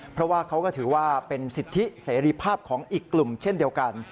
เพราะว่าเขาก็ถือว่าเป็นสิทธิเสรีภาพของอีกกลุ่มเช่นเดียวกัน